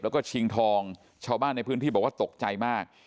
แล้วก็ชิงทองชาวบ้านในพื้นที่บอกว่าตกใจมาก